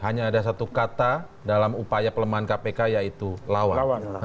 hanya ada satu kata dalam upaya pelemahan kpk yaitu lawan